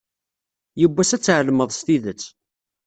Yiwwas ad tɛelmeḍ s tidet.